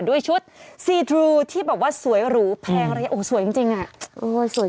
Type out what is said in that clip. ด้วยชุดซีทรูที่แบบว่าสวยหรูแพงระยะโอ้โหสวยจริงน้อย